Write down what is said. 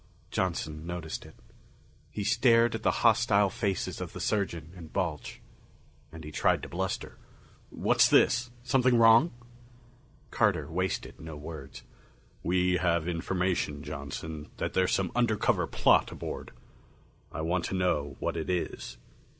Johnson noticed it. He stared at the hostile faces of the surgeon and Balch. And he tried to bluster. "What's this? Something wrong?" Carter wasted no words. "We have information, Johnson, that there's some undercover plot aboard. I want to know what it is.